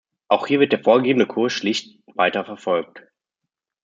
Auch hier wird der vorgegebene Kurs schlicht weiter verfolgt.